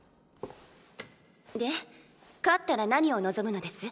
で勝ったら何を望むのです。